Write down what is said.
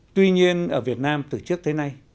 tuy nhiên ở việt nam từ trước tới nay